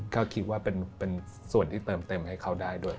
ก็คิดว่าเป็นส่วนที่เติมเต็มให้เขาได้ด้วย